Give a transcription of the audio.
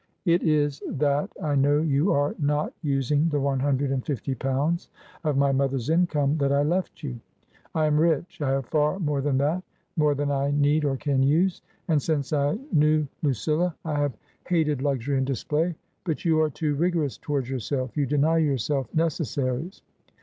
" It is that I know you are not using the one hundred and fifty pounds of my mother's income that I left you. I am rich : I have far more than that — more than I need or can use. And since I knew Lucilla I have hated TRANSITION. 317 luxury and display. But you are too rigorous towards yourself, you deny yourself necessaries.